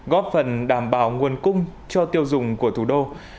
góp phần đảm bảo nguồn cung cho tiêu dùng của thủ đô